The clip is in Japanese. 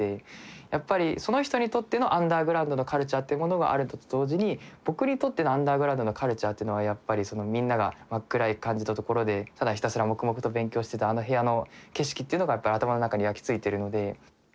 やっぱりその人にとってのアンダーグラウンドのカルチャーっていうものがあるのと同時に僕にとってのアンダーグラウンドのカルチャーというのはやっぱりそのみんなが真っ暗い感じのところでただひたすら黙々と勉強してたあの部屋の景色っていうのがやっぱり頭の中に焼き付いてるので。